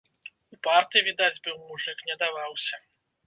Упарты, відаць, быў мужык, не даваўся.